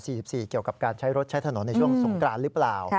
เกี่ยวกับการใช้รถใช้ถนนในช่วงสงกรานหรือเปล่า